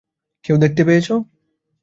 কেউ দেখতে পেয়েছো?